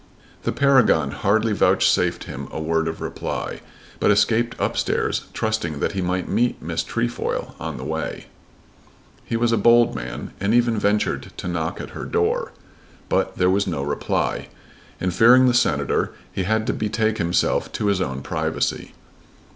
The Paragon hardly vouchsafed him a word of reply, but escaped up stairs, trusting that he might meet Miss Trefoil on the way. He was a bold man and even ventured to knock at her door; but there was no reply, and, fearing the Senator, he had to betake himself to his own privacy.